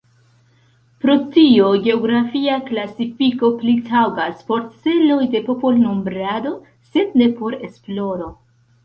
Pro tio geografia klasifiko pli taŭgas por celoj de popolnombrado, sed ne por esploro.